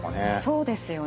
そうですよね。